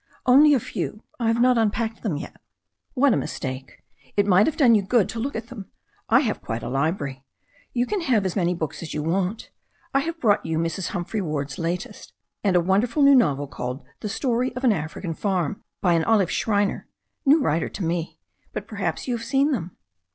"Only a few. I have not unpacked them yet." "What a mistake. It might have done you good to look at them. I have quite a library. You can have as many books as you want. I have brought you Mrs. Humphry Ward's latest, and a wonderful new novel called The Story of an African Farm, by an Olive Schreiner, new writer to me. But perhaps you have seen them?"